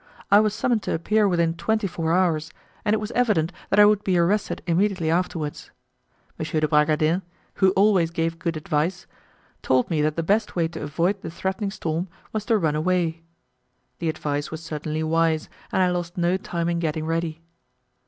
I was summoned to appear within twenty four hours, and it was evident that I would be arrested immediately afterwards. M. de Bragadin, who always gave good advice, told me that the best way to avoid the threatening storm was to run away. The advice was certainly wise, and I lost no time in getting ready.